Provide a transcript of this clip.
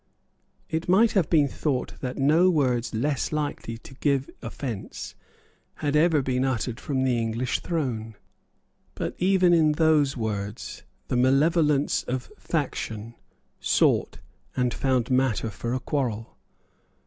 It might have been thought that no words less likely to give offence had ever been uttered from the English throne. But even in those words the malevolence of faction sought and found matter for a quarrel.